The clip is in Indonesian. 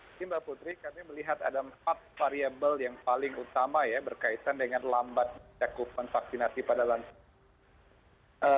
ini mbak putri kami melihat ada empat variable yang paling utama ya berkaitan dengan lambat cakupan vaksinasi pada lansia